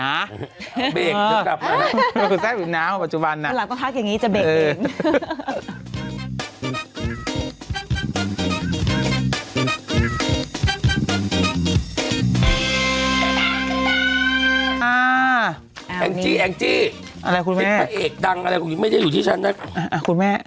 อ่าแองจี้แองจี้อะไรคุณแม่พระเอกดังอะไรไม่ได้อยู่ที่ชั้นอะอ่าคุณแม่